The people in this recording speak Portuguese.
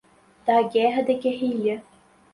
da guerra de guerrilha